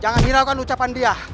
jangan hilangkan ucapan dia